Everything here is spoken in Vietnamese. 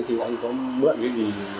thì anh có mượn cái gì